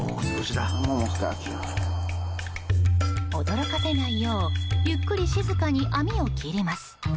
驚かせないようゆっくり静かに網を切ります。